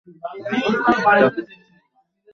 যাও, খালামণির কাছে যাও, কেমন?